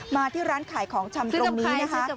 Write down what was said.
มาที่ร้านขายของชำตรงนี้นะคะ